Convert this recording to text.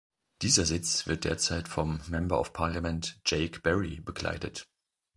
Dieser Sitz wird derzeit vom Member of Parliament Jake Berry bekleidet.